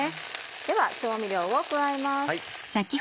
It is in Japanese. では調味料を加えます。